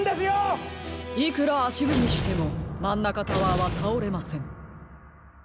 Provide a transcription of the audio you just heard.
いくらあしぶみしてもマンナカタワーはたおれません。